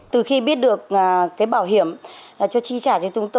từ khi biết được cái bảo hiểm cho chi trả cho chúng tôi